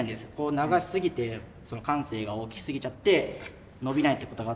長すぎてその慣性が大きすぎちゃって伸びないってことがあって。